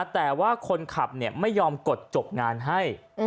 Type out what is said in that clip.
แต่ว่าคนขับไม่ยอมกดจบงานให้